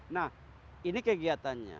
nah ini kegiatannya